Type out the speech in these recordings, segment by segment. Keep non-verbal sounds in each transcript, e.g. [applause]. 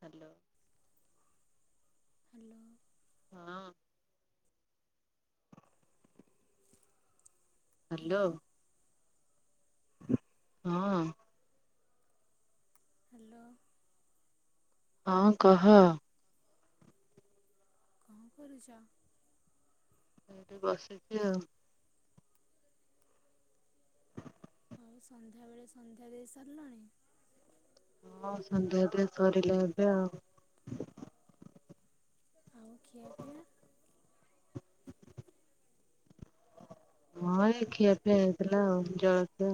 Hello. Hello. ହଁ। Hello. ହଁ। Hello. ହଁ କହ? କଣ କରୁଛ? ସେଠି ବସିଛି ଆଉ। ଆଉ ସନ୍ଧ୍ୟାବେଳେ ସନ୍ଧ୍ୟା ଦେଇ ସାରିଲଣି? ହଁ ସନ୍ଧ୍ୟା ଏବେ ସରିଲେ ଏବେ ଆଉ। ଆଉ ଖିଆ ପିଆ? ହଁ ଏଇ ଖିଆପିଆ ହେଇଥିଲା ଆଉ ଜଳକ୍ଷା।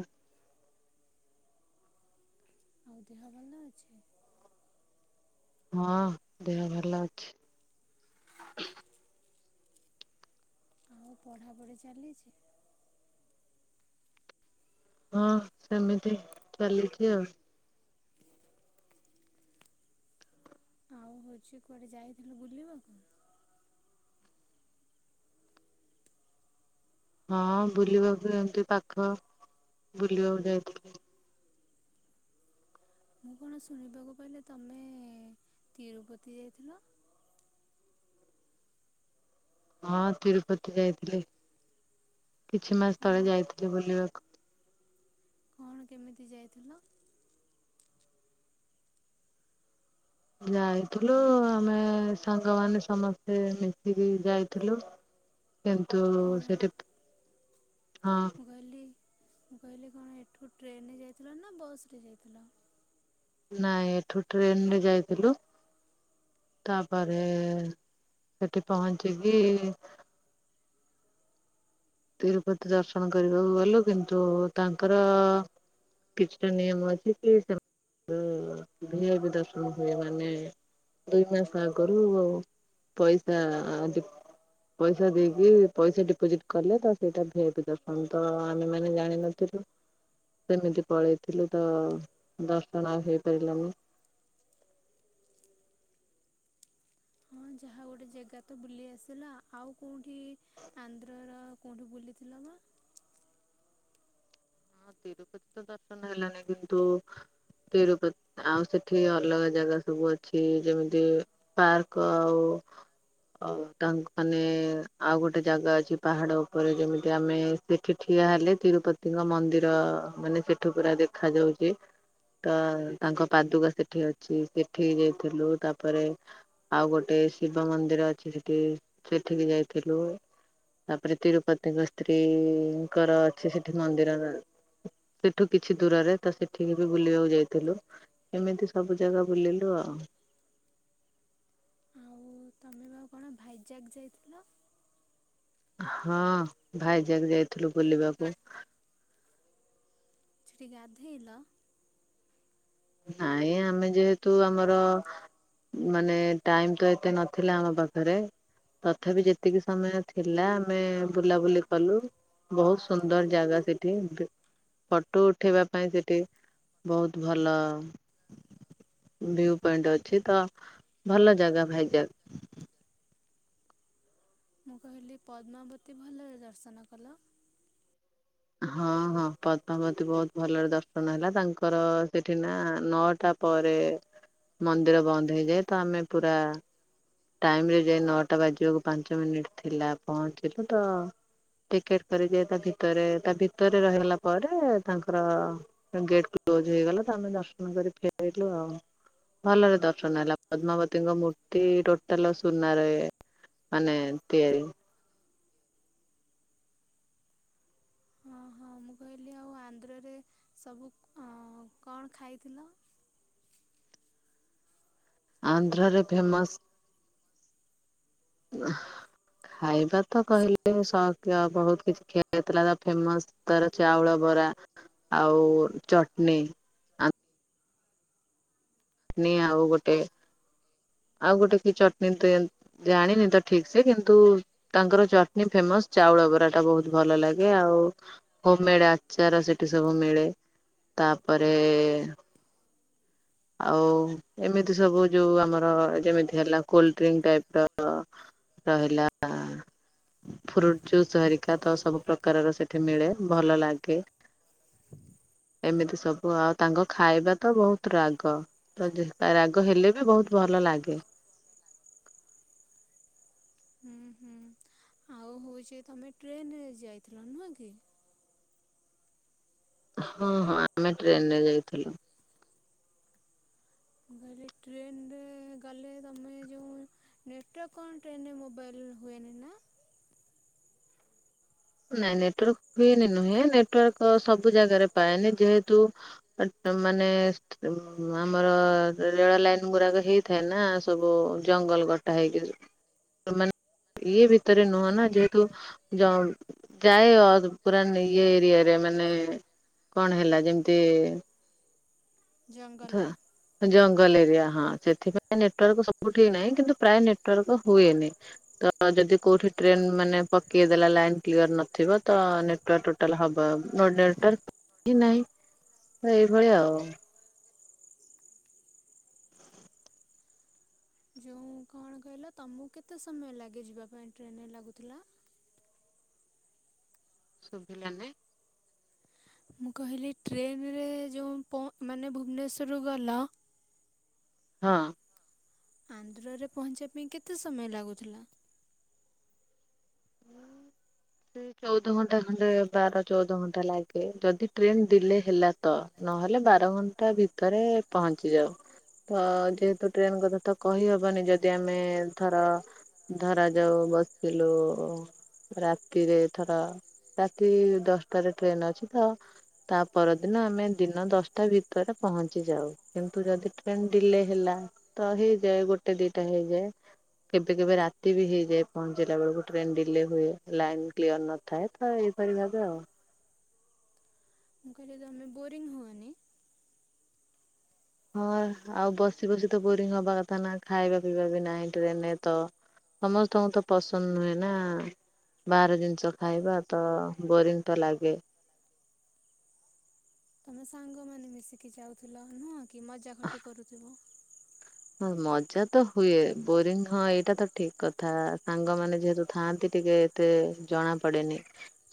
ଆଉ ଦେହ ଭଲ ଅଛି। ହଁ ଦେହ ଭଲ ଅଛି। ଆଉ ପଢ଼ାପଢ଼ି ଚାଲିଛି? ହଁ ସେମିତି ଚାଲିଛି ଆଉ। ହଉ ହଉଛି କୁଆଡେ ଯାଇଥିଲ ବୁଲିବାକୁ? ହଁ ବୁଲିବାକୁ ଏମତି ପାଖ ବୁଲିବାକୁ ଯାଇଥିଲି। ମୁଁ କଣ ଶୁଣିବାକୁ ପାଇହିଲି ତମେ ତିରୁପତି ଯାଇଥିଲ। ହଁ ତିରୁପତି ଯାଇଥିଲି। କିଛି ମାସ କ'ଣ ତଳେ ଯାଇଥିଲି ବୁଲିବା କଣ କେମିତି ଯାଇଥିଲ? ଯାଇଥିଲୁ ଆମେ ସାଙ୍ଗମାନେ ସମସ୍ତେ ମିଶିକି ଯାଇଥିଲୁ। ହ କିନ୍ତୁ ସେଠି ହଁ। ମୁଁ କହିଲି ମୁଁ କହିଲି କଣ ଏଠୁ ଟ୍ରେନେ ଯାଇଥିଲ ନା ବସ୍ରେ ଯାଇଥିଲ? ନାଇଁ ଏଠୁ ଟ୍ରେନ ରେ ଯାଇଥିଲୁ। ତାପରେ ସେଠି ପହଞ୍ଚିକି ତିରୁପତି ଦର୍ଶନ କରିବାକୁ ଗଲୁ କିନ୍ତୁ ତାଙ୍କର କିଛିଟା ନିୟମ ଅଛି କି ସେମାନ [unintelligible] ଦର୍ଶନ ହୁଏ ମାନେ ଦୁଇ ମାସ ଆଗରୁ ଆଉ ପଇସା ପଇସା ଦେଇକି, ପଇସା ଡିପୋଜିଟ୍ କଲେ ତ ସେଇଟା ଭି ଆଇ ପି ଦର୍ଶନ, ତ ଆମେ ମାନେ ଜାଣିିନଥିଲୁ ସେମିତି ପଳେଇଥିଲୁ ତ ଦର୍ଶନ ଆଉ ହେଇପାରିଲାନି। ହଁ ଯାହା ଗୋଟେ ଜାଗା ତ ବୁଲି ଆସିଲା ଆଉ କୋଉଠି ଆନ୍ଧ୍ରର କେଉଁଠୁ ବୁଲିଥିଲା ନା? ହଁ ତିରୁପତି ତ ଦର୍ଶନ ହେଲାନି କିନ୍ତୁ ତିରୁପତି ଆଉ ସେଠି ଅଲଗା ଜାଗା ସବୁ ଅଛି ଯେମିତି ପାର୍କ ଆଉ ଆଉ ତାଙ୍କ ମାନେ ଆଉ ଗୋଟେ ଜାଗା ଅଛି ପାହାଡ ଉପରେ ଯେମିତି ଆମେ ସେଠି ଠିଆ ହେଲେ ତିରୁପତିଙ୍କ ମନ୍ଦିର ମାନେ ସେଠୁ ପୁରା ଦେଖାଯାଉଛି। ତ ତାଙ୍କ ପାଦୁକା ସେଠି ଅଛି। ସେଠି ଯାଇଥିଲୁ ତାପରେ ଆଉ ଗୋଟେ ଶିବ ମନ୍ଦିର ଅଛି ସେଠି ସେଠିକି ଯାଇଥିଲୁ। ତାପରେ ତିରୁପତିଙ୍କ ସ୍ତ୍ରୀଙ୍କର ଅଛି ସେଠି ମନ୍ଦିର। ସେଠୁ କିଛି ଦୂରରେ ତ ସେଠିକି ବି ବୁଲିବାକୁ ଯାଇଥିଲୁ ଏମିତି ସବୁ ଜାଗା ବୁଲିଲୁ ଆଉ। ଆଉ ତମେ ବା କଣ ଭାଇଜାକ୍ ଯାଇଥିଲ? ହଁ ଭାଇ ଯାକ ଯାଇଥିଲୁ ବୁଲିବାକୁ। ସେଠି ଗାଧେଇ ଲ? ନାଇଁ ଆମେ ଯେହେତୁ ଆମର। ମାନେ ଟାଇମ ତ ଏତେ ନଥିଲା ଆମ ପାଖରେ। ତଥାପି ଯେତିକି ସମୟ ଥିଲା ଆମେ ବୁଲାବୁଲି କଲୁ। ବହୁତ ସୁନ୍ଦର ଜାଗା ସେଠି। ଫଟୋ ଉଠେଇବା ପାଇଁ ସେଠି ବହୁତ ଭଲ। ଭୁ ପଏଣ୍ଟ ଅଛି ତ ଭଲ ଜାଗା ଭାଇଯାକ୍। ମୁଁ କହିଲି ପଦ୍ମାବତୀ ଭଲରେ ଦର୍ଶନ କଲ। ହଁ ହଁ ପଦ୍ମାବତୀ ବହୁତ ଭଲରେ ଦର୍ଶନ ହେଲା ତାଙ୍କର ସେଠି ନା ନଅଟା ପରେ ମନ୍ଦିର ବନ୍ଦ ହେଇଯାଏ ତ ଆମେ ପୁରା ଟାଇମ ରେ ଯାଇଏ ନଅଟା ବାଜିବାକୁ ପାଞ୍ଚ ମିନିଟ ଥିଲା ପହଞ୍ଚିଲୁ ତ ଟିକେଟ କରିଦିଏ ତା ଭିତରେ ତା ଭିତରେ ରହିଲା ପରେ ତାଙ୍କର ଗେଟ୍ କ୍ଲୋଜ ହେଇଗଲା ତ ଆମେ ଦର୍ଶନ କରି ଫେରାଇଲୁ ଆଉ। ଭଲରେ ଦର୍ଶନ ହେଲା ପଦ୍ମାବତୀଙ୍କ ମୂର୍ତ୍ତି ଟୋଟାଲ ସୁନାରେ ମାନେ ତିଆରି। ହଁ ହଁ ମୁଁ କହିଲି ଆଉ ଆନ୍ଧ୍ରରେ ସବୁ କଣ ଖାଇଥିଲ? ଆନ୍ଧ୍ରାରେ ଫେମସ ଖାଇବା ତ ସେ କହିଲେ ସ ବହୁତ କିଛି ଖିଆ ହେଇଥିଲା ତ ଫେମସ ତାର ଚାଉଳ ବରା। ଆଉ ଚଟଣିୀ। ଚଟନୀ ଆଉ ଗୋଟେ ଆଉ ଗୋଟେ ତ ଚଟଣିୀ ଦିଅ ଜାଣିନି ତ ଠିକ ସେ କିନ୍ତୁ ତାଙ୍କର ଚଟନୀ ଫେମସ ଚାଉଳ ବରା ଟା ବହୁତ ଭଲ ଲାଗେ ଆଉ ହୋମ ମେଡ ଆଚାର ସେଠି ସବୁ ମିଳେ ତାପରେ ଆଉ ଏମିତି ସବୁ ଯୋଉ ଆମର ଯେମିତି ହେଲା କୋଲ ଡ୍ରିଙ୍କ ଟାଇପ ର। ରହିଲା। ଫ୍ରୁଟ ଜୁସ୍ ହରିକା ତ ସବୁ ପ୍ରକାରର ସେଠି ମିଳେ ଭଲ ଲାଗେ। ଏମିତି ସବୁ ଆଉ ତାଙ୍କ ଖାଇବା ତ ବହୁତ ରା ତ ରାଗ ହେଲେ ବି ବହୁତ ଭଲ ଲାଗେ। ହୁଁ ହୁଁ ଆଉ ହଉଛି ତମେ ଟ୍ରେନରେ ଯାଇଥିଲ ନୁହଁ କି? ହଁ ହଁ ଆମେ ଟ୍ରେନରେ ଯାଇଥିଲୁ। ମୁଁ କହିଲି ଟ୍ରେନରେ ଗଲେ ତମେ ଯେଉଁ ନେଟକଣ୍ ଟନେ ମୋବାଇଲ ହୁଇନା। ନାଇଁ ନେଟୱାର୍କ ହୁଏନି ନୁହେଁ ନେଟୱାର୍କ ସବୁ ଜାଗାରେ ପାଏନି ଯେହେତୁ ମାନେ ଆମର ରେଳ ଲାଇନ ଗୁଡାକ ହେଇଥାଏ ନା ସବୁ ଜଙ୍ଗଲ କଟା ହେଇକି। ମାନେ ଇଏ ଭିତରେ ନୁହଁ ନା ଯେହେତୁ ଯାଏ ପୁର ଇଏ ଏରିଆ ରେ ମାନେ କଣ ହେଲା ଯେମିତି ଜଙ୍ଗଲ। ଧ- ଜଙ୍ଗଲ ଏରିଆ ହଁ ସେଥିପାଇଁ ନେଟୱାର୍କ ସବୁଠିକ ନାହିଁ କିନ୍ତୁ ପ୍ରାୟ ନେଟୱାର୍କ ହୁଏନି। ତ ଯଦି କୋଉଠି ଟ୍ରେନ ମାନେ ପକେଇ ଦେଲା ଲାଇନ କ୍ଲିୟର ନଥିବ ତ ଟୋଟାଲ ହବ ଦେଢଟା ନାହିଁ ଏଇଭଳି ଆଉ। ଯେଉଁ କଣ କହିଲା ତମକୁ କେତେ ସମୟ ଲାଗେ ଯିବା ପାଇଁ ଟ୍ରେନ୍ରେ ଲାଗୁଥିଲା। ଶୁଭିଲାନି। ମୁଁ କହିଲି ଟ୍ରେନରେ ଯେଉଁ ମାନେ ଭୁବନେଶ୍ୱରରୁ ଗଲ। ହଁ। ଆନ୍ଧ୍ରରେ ପହଞ୍ଚିବା ପାଇଁ କେତେ ସମୟ ଲାଗୁଥିଲା? [inaudible] ସେ ଚଉଦ ଘଣ୍ଟା ଖଣ୍ଡେ ବାର ଚଉଦ ଘଣ୍ଟା ଲାଗେ ଯଦି ଟ୍ରେନ ଡିଲେ ହେଲା ତ ନହେଲେ ବାର ଘଣ୍ଟା ଭିତରେ ପହଞ୍ଚି ଯାଉ। ତ ଯେହେତୁ ଟ୍ରେନ କଥା ତ କହିହବନି ଯଦି ଆମେ ଧର ଧରା ଯାଉ ବସିଲୁ ଓ ରାତିରେ ଥର ରାତି ଦଶଟାରେ ଟ୍ରେନ ଅଛି ତ ତା ପରଦିନ ଆମେ ଦିନ ଦଶଟା ଭିତରେ ପହଞ୍ଚି ଯାଉ। କିନ୍ତୁ ଯଦି ଟ୍ରେନ ଡିଲେ ହେଲା ତ ହେଇଯାଏ ଗୋଟେ ଦିଟା ହେଇଯାଏ। କେବେ କେବେ ରାତି ବି ହେଇଯାଏ ପହଞ୍ଚିଲା ବେଳକୁ। ଟ୍ରେନ ଡିଲେ ହୁଏ ଲାଇନ କ୍ଲିୟର ନଥାଏ ତ ଏଇପରି ଭାବେ ଆଉ। ମୁଁ କହିଲି ତମେ ବୋରିଙ୍ଗ ହୁଅନି। ହଁ ଆଉ ବସି ବସି ତ ବୋରିଂ ହବା କଥା ନା ଖାଇବା ପିଇବା ବି ନାହିଁ ଟ୍ରେନରେ ତ ସମସ୍ତଙ୍କୁ ତ ପସନ୍ଦ ନୁହେଁ ନା। ବାହାର ଜିନିଷ ଖାଇବା ତ ବୋରିଂ ତ ଲାଗେ। ତମେ ସାଙ୍ଗମାନେ ମିଶିକି ଯାଉଥିଲ ନୁହଁ କି ମଜା ଖଟି କରୁଥିବ। ହଁ ମଜା ତ ହୁଏ। ବୋରିଂ ହଁ ଏଇଟା ତ ଠିକ କଥା ସାଙ୍ଗମାନେ ଯେହେତୁ ଥାଆନ୍ତି ଟିକେ ତେ ଜଣା ପଡେନି।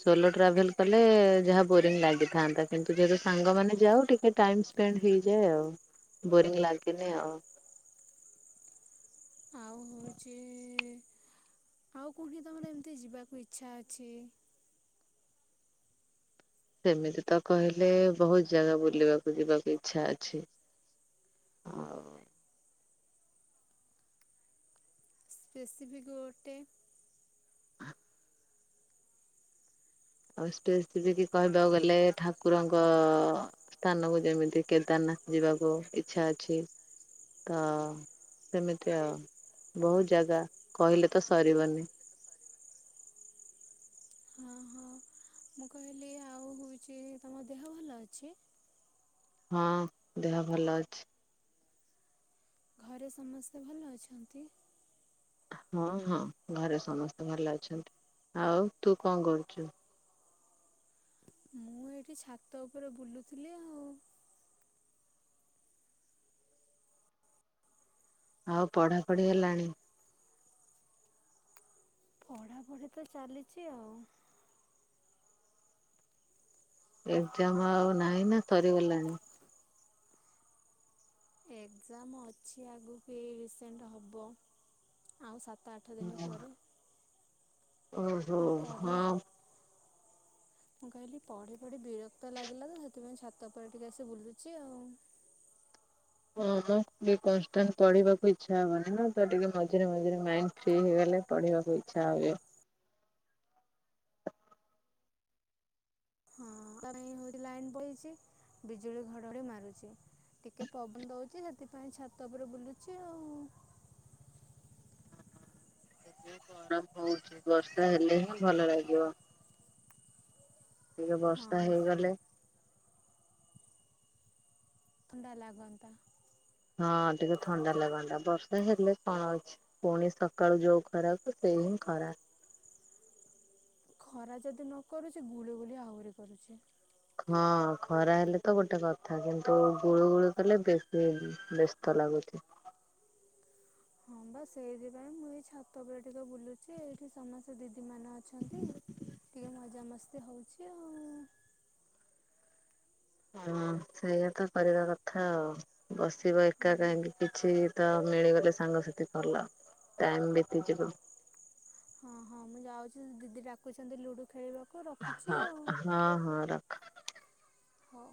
ସୋଲୋ ଟ୍ରାଭେଲ କଲେ ଯାହା ବୋରିଂ ଲାଗିଥାନ୍ତା କିନ୍ତୁ ଯେହେତୁ ସାଙ୍ଗମାନେ ଯାଉ ଟିକେ ଟାଇମ୍ସ ଦେନ ହେଇଯାଏ ଆଉ ବୋରିଂ ଲାଗେନି ଆଉ। ହୋଉଛି ଆଉ କୋଉଠି ତମର ଏମିତି ଯିବାକୁ ଇଚ୍ଛା ଅଛି? ସେମିତି ତ କହିଲେ ବହୁତ ଜାଗା ବୁଲିବାକୁ ଯିବାକୁ ଇଚ୍ଛା ଅଛି। ଆଉ ସ୍ପେସିଫିକ୍ ଗୋଟେ ଆଉ ସ୍ପେସିଫିକ କହିବାକୁ ଗଲେ ଠାକୁରଙ୍କ ସ୍ଥାନକୁ ଯେମିତି କେଦାରନାଥ ଯିବାକୁ ଇଚ୍ଛା ଅଛି। ତ ସେମିତି ଆଉ ବହୁତ ଜାଗା କହିଲେ ତ ସରିବନି। ହଁ ହଁ ମୁଁ କହିଲି ଆଉ କହୁଛି ତମ ଦେହ ଭଲ ଅଛି। ହଁ ଦେହ ଭଲ ଅଛି। ଘରେ ସମସ୍ତେ ଭଲ ଅଛନ୍ତି? ହଁ ହଁ ଘରେ ସମସ୍ତେ ଭଲ ଅଛନ୍ତି। ଆଉ ତୁ କଣ କରୁଛୁ? ହଁ [inaudible] ମୁଁ ଏଇଠି ଛାତ ଉପରେ ବୁଲୁଥିଲି ଆଉ। ଆଉ ପଢାପଢି ହେଲାଣି? ପଢ଼ାପଢ଼ି ତ ଚାଲିଛି ଆଉ। ଏକ୍ସାମ୍ ଆଉ ନାହିଁ ନା ସରିଗଲାଣି। ଏକ୍ସମ୍ ଅଛି ଆଗକୁ ଏଇ ରିସେଣ୍ଟ ହବ ଆଉ ସାତ ଆଠ ଦିନ ପରେ ଓହୋ ଆଉ ପଢ଼ି ହଁ। ମୁଁ କହିଲି ପଢ଼ି ପଢ଼ି ବିରକ୍ତ ଲାଗିଲା ତ, ସେଥିପାଇଁ ଛାତ ଉପରେ ଟିକେ ଆସି ବୁଲୁଛି ଆଉ। ହଁମ ଟିକେ କନ୍ସ୍ତାଣ୍ଟ ପଢିବାକୁ ଇଚ୍ଛା ହବନି ନା, ତ ଟିକେ ମଝିରେ ମଝିରେ ମାଇଣ୍ଡ ଫ୍ରି ହେଇଗଲେ ପଢିବାକୁ ଇଚ୍ଛା ହୁଏ। ହଁ [unintelligible] ଲାଇନ ପଲେଇଚି ବିଜୁଳି ଘଡଘଡି ମାରୁଛି। ଟିକେ ପବନ ଦଉଚି ସେଥିପାଇଁ ଛାତ ଉପରେ ବୁଲୁଚି ଆଉ। ଗରମ ହଉଛି ବର୍ଷା ହେଲେ ହିଁ ଭଲ ଲାଗିବ। ଟିକେ ବର୍ଷା ହଁ। ହେଇଗଲେ ଥଣ୍ଡା ଲାଗନ୍ତା। ହଁ ଟିକେ ଥଣ୍ଡା ଲାଗନ୍ତା ବର୍ଷା ହେଲେ କଣ ଅଛି। ପୁଣି ସକାଳୁ ଯୋଉ ଖରାକ ସେଇ ହିଁ ଖରା। ଖରା ଯଦି ନ କରୁଛି ଗୁଳୁ ଗୁଲିଆ ଆହୁରି କରୁଛି। ହଁ ଖରା ହେଲେ ତ ଗୋଟେ କଥା କିନ୍ତୁ ଗୁଳୁ ଗୁଳୁ କଲେ ବେଶୀ ବ୍ୟସ୍ତ ଲାଗୁଛି। ହଁ ବା ସେଇଥିପାଇଁ ମୁଁ ଏଇ ଛାତ ଉପରେ ଟିକେ ବୁଲୁଛି ଏଇଠି ସମସ୍ତେ ସେ ଦିଦିମାନେ ଅଛନ୍ତି ଟିକେ ମଜାମସ୍ତି ହେଉଛି ଆଉ। ହଁ ସେଇଆ ତ କରିବା କଥା ଆଉ ବସିବ ହଁ। ଏକା କାହିଁକି। କିଛି ତ ମିଳିବନି ସାଙ୍ଗସାଥି ଭଲ ଟାଇମ ବିତିଯିବ। ହଁ ହଁ ମୁଁ ଯାଉଛି ଦିଦି ଡାକୁଛନ୍ତି ଲୁଡୁ ଖେଳିବାକୁ ରଖୁଛି ହଁ ଆଉ। ହଁ ହଁ ରଖ। ହଉ।